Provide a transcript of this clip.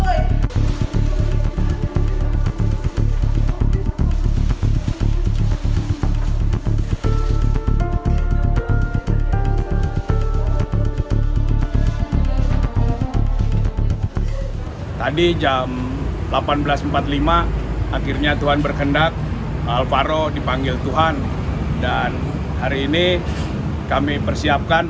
hai tadi jam delapan belas empat puluh lima akhirnya tuhan berkendak alvaro dipanggil tuhan dan hari ini kami persiapkan